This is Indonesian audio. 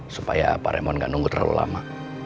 supaya pak remon gak nunggu terlalu lama